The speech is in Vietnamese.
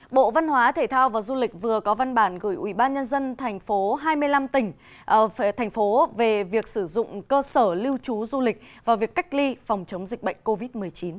bộ văn hóa thể thao và du lịch vừa có văn bản gửi ủy ban nhân dân thành phố hai mươi năm tỉnh về việc sử dụng cơ sở lưu trú du lịch và việc cách ly phòng chống dịch bệnh covid một mươi chín